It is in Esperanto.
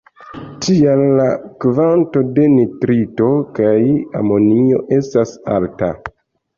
Tial la kvanto de nitrito kaj amonio estas alta.